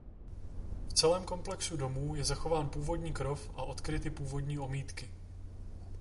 V celém komplexu domů je zachován původní krov a odkryty původní omítky.